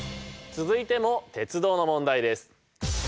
続いても鉄道の問題です。